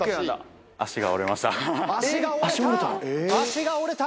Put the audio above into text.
脚が折れた！